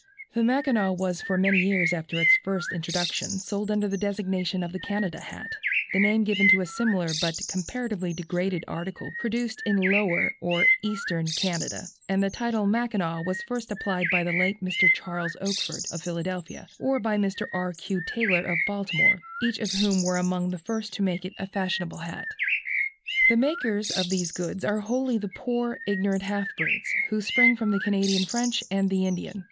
The Mackinaw was for many years after its first introduction sold under the designation of the "Canada" hat, the name given to a similar but comparatively degraded article produced in Lower, or Eastern Canada; and the title Mackinaw was first applied by the late Mr. Charles Oakford, of Philadelphia, or by Mr. R. Q. Taylor, of Baltimore, each of whom were among the first to make it a fashionable hat. The makers of these goods are wholly the poor, ignorant half breeds, who spring from the Canadian French and the Indian.